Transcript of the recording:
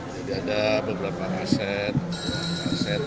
jadi ada beberapa aset